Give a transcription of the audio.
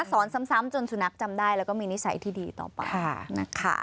สอนซ้ำจนสุนัขจำได้แล้วก็มีนิสัยที่ดีต่อไปนะคะ